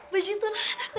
baju untuk anak anakku ya